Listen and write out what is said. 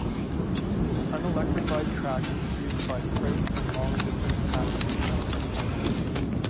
This unelectrified track was used by freight and long distance passenger trains.